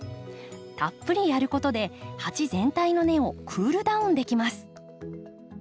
たっぷりやることで鉢全体の根をクールダウンできます。